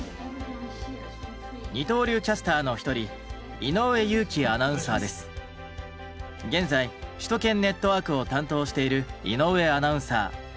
二刀流キャスターの一人現在「首都圏ネットワーク」を担当している井上アナウンサー。